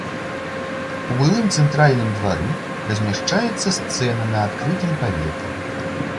У былым цэнтральным двары размяшчаецца сцэна на адкрытым паветры.